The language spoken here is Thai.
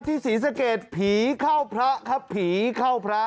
ศรีสะเกดผีเข้าพระครับผีเข้าพระ